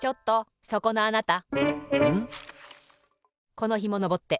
このひものぼって。